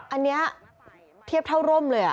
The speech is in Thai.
อันนี้เทียบเท่าร่มเลย